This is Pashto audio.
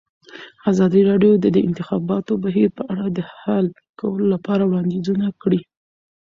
ازادي راډیو د د انتخاباتو بهیر په اړه د حل کولو لپاره وړاندیزونه کړي.